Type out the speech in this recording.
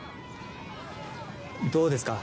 どうですか？